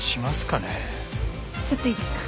ちょっといいですか？